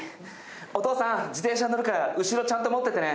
お父さん、自転車乗るから後ろちゃんと持っててね。